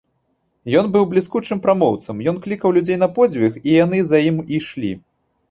Ён быў бліскучым прамоўцам, ён клікаў людзей на подзвіг, і яны за ім ішлі.